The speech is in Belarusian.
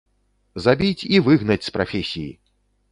Забіць і выгнаць з прафесіі!